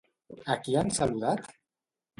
A qui han saludat?